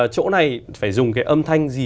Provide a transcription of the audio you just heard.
chỗ này phải dùng cái âm thanh gì